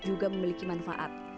juga memiliki manfaat